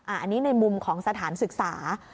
อันนี้ในมุมของสถานศึกษา